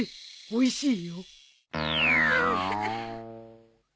おいしい！